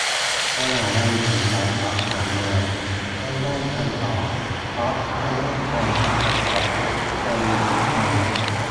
มหาลัยส่งแบบสอบถามมา ไม่ได้ทำต่อ เพราะไม่แน่ใจว่าจะตอบตรงที่ถามไหม